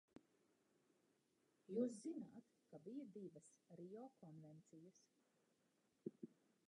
Jūs zināt, ka bija divas Rio konvencijas.